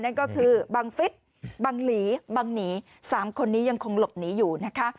นั่นก็คือบังฟิศบังหลีบังหนี๓คนนี้ยังคงหลบหนีอยู่นะคะ